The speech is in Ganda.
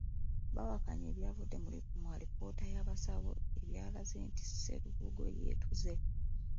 Bawakanya ebyavudde mu alipoota y’abasawo ebyalaze nti Sserubogo yeetuze.